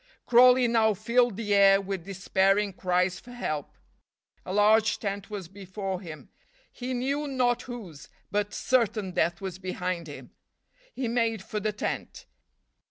Crawley now filled the air with despairing cries for help. A large tent was before him; he knew not whose, but certain death was behind him. He made for the tent.